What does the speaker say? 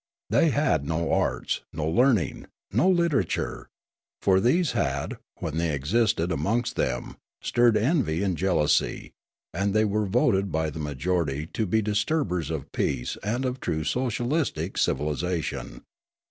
The}' had no arts, no learning, no literature ; for these had, when they existed amongst them, stirred envy and jealousy, and they were voted by the majority to be disturbers of peace and of true socialistic civilisation.